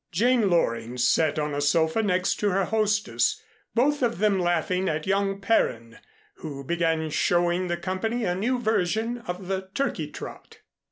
Jane Loring sat on a sofa next to her hostess, both of them laughing at young Perrine, who began showing the company a new version of the turkey trot.